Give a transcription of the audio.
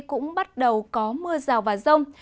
cũng bắt đầu có mưa rào và rông